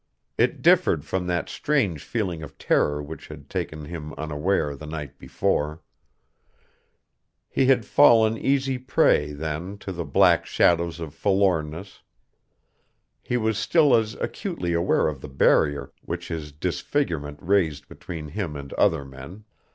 It differed from that strange feeling of terror which had taken him unaware the night before. He had fallen easy prey then to the black shadows of forlornness. He was still as acutely aware of the barrier which his disfigurement raised between him and other men.